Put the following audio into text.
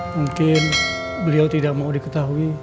mungkin beliau tidak mau diketahui